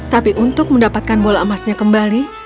tapi untuk mendapatkan bola emasnya kembali